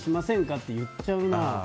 って言っちゃうな。